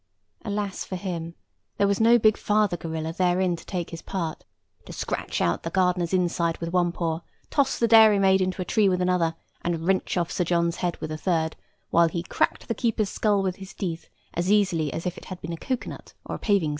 Alas for him! there was no big father gorilla therein to take his part—to scratch out the gardener's inside with one paw, toss the dairymaid into a tree with another, and wrench off Sir John's head with a third, while he cracked the keeper's skull with his teeth as easily as if it had been a cocoa nut or a paving stone.